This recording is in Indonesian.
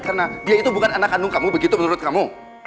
karena dia itu bukan anak kandung kamu begitu menurut kamu